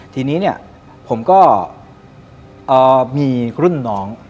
ทีนี้เนี่ยผมก็มีรุ่นน้อง